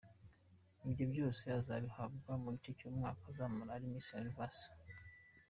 Ibyo byose azabihabwa mu gihe cy’umwaka azamara ari Miss Universe.